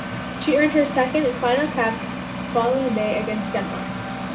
She earned her second and final cap the following day against Denmark.